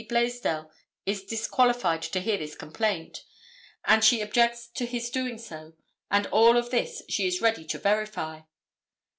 Blaisdell is disqualified to hear this complaint, and she objects to his so doing, and all of this she is ready to verify.